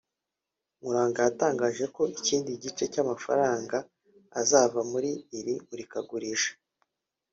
Nkuranga yatangaje ko ikindi gice cy’amafaranga azava muri iri murikagurisha